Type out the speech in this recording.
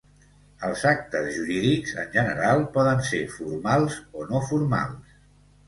Els actes jurídics, en general, poden ser formals o no formals.